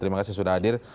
terima kasih sudah hadir